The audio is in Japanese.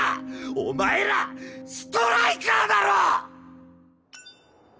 お前らストライカーだろ！